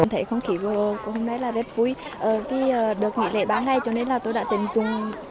thấy không khí vô hôm nay rất vui vì được nghỉ lễ ba ngày cho nên tôi đã tìm dùng